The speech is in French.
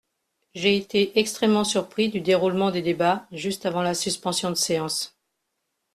J’ai été extrêmement surpris du déroulement des débats juste avant la suspension de séance.